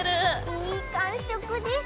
いい感触でしょ！